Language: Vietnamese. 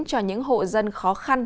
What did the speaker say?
cho những hộ dân khó khăn